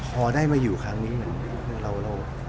พอได้มาอยู่ครั้งนี้เหมือนเรา